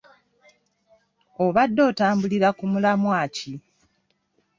Obadde otambulira ku mulamwa ki?